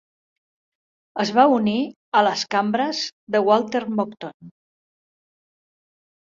Es va unir a les cambres de Walter Monckton.